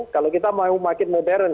kalau kita mau makin modern